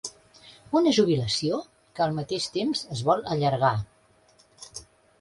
Una jubilació, que, al mateix temps, es vol allargar.